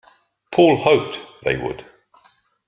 Paul hoped they would.